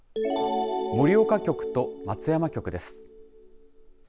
盛岡局と松山局です。